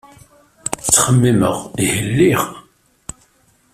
Ttxemmimeɣ, ihi lliɣ.